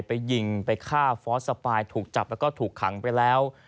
ไปยิงไปฆ่าฟอสสปายถูกจับแล้วก็ถูกขังไปแล้ว